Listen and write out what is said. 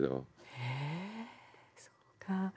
へえそうか。